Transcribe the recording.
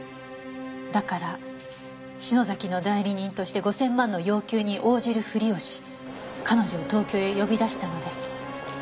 「だから篠崎の代理人として５０００万の要求に応じるふりをし彼女を東京へ呼び出したのです」